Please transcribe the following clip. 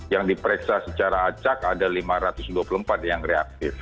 yang diperiksa secara acak ada lima ratus dua puluh empat yang reaktif